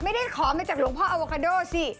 ไม่ได้ขอมาจากหลวงพ่ออโวคาโดสิ